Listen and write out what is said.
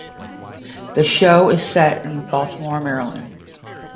The show is set in Baltimore, Maryland.